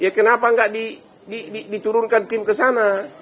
ya kenapa nggak diturunkan tim ke sana